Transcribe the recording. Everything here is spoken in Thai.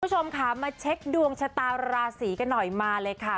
คุณผู้ชมค่ะมาเช็คดวงชะตาราศีกันหน่อยมาเลยค่ะ